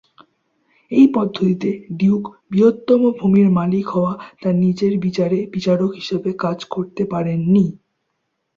এই পদ্ধতিতে, ডিউক, বৃহত্তম ভূমির মালিক হওয়া, তার নিজের বিচারে বিচারক হিসাবে কাজ করতে পারেনি।